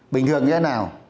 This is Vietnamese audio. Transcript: bình thường như thế nào